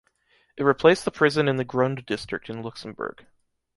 It replaced the prison in the Grund district in Luxembourg.